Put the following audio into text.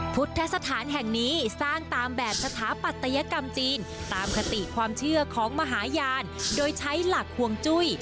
พุทธสถานแห่งนี้สร้างตามแบบสถาปัตยกรรมจีนตามคติความเชื่อของมหาญาณโดยใช้หลักห่วงจุ้ย